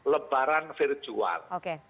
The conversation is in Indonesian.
lebaran virtual oke